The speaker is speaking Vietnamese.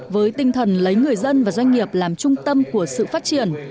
với tinh thần lấy người dân và doanh nghiệp làm trung tâm của sự phát triển